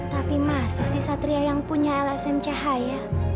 tapi masih si satria yang punya lsm cahaya